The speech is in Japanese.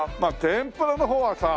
天ぷらの方はさ